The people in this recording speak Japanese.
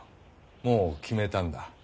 もう決めたんだ。